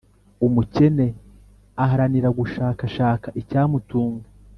Umukene aharanira gushakashaka icyamutunga,